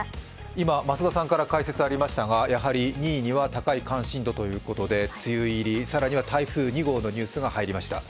今、増田さんから解説がありましたがやはり２位には高い関心度ということで、梅雨入り更には台風２号のニュースが入りました。